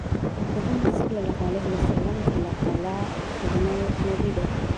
محمد صلی الله عليه وسلم د الله تعالی آخرنی نبی دی